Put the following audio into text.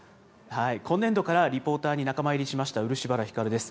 今年度からリポーターに仲間入りしました漆原輝です。